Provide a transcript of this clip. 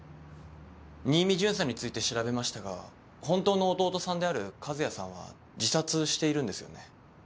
新見巡査について調べましたが本当の弟さんである和也さんは自殺しているんですよね。